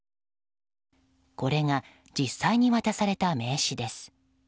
これが実際に渡された名刺です。